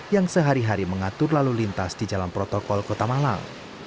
yang sehari hari mengatur lalu lintas di jalan protokol kota malang